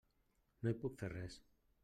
No hi puc fer res.